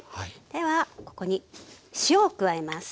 ではここに塩を加えます。